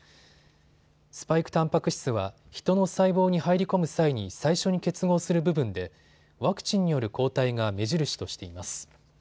スパイクたんぱく質はヒトの細胞に入り込み際に最初に結合する部分でワクチンによる抗体が目印としています。